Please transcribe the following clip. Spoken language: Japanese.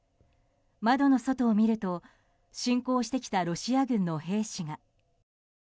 窓の外を見ると侵攻してきたロシア軍の兵士が。